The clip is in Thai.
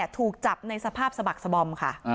ถูกจับในสภาพสมัครสบอม